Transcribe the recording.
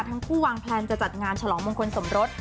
ทั้งคู่วางแพลนจะจัดงานฉลองมงคลสมรส